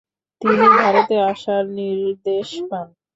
তিনি ভারতে আসার নির্দেশ পান।